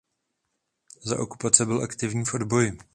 Za okupace byl aktivní v odboji.